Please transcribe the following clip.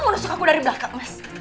menusuk aku dari belakang mas